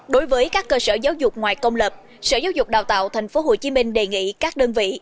đối với các cơ sở giáo dục ngoài công lập sở giáo dục đào tạo tp hcm đề nghị các đơn vị